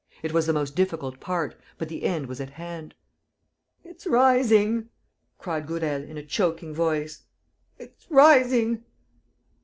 It was the most difficult part, but the end was at hand. "It's rising," cried Gourel, in a choking voice, "it's rising!"